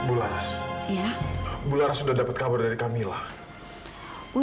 agar selalu menunjuk rencana hari ini soal kamu